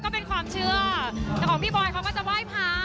ก็เป็นความเชื่อแต่ของพี่บอยเขาก็จะไหว้พระ